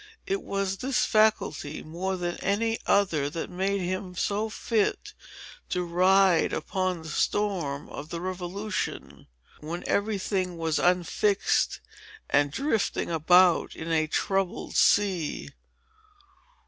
It was this faculty, more than any other, that made him so fit to ride upon the storm of the Revolution, when every thing was unfixed, and drifting about in a troubled sea.